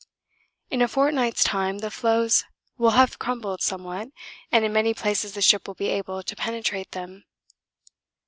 In a fortnight's time the floes will have crumbled somewhat, and in many places the ship will be able to penetrate them.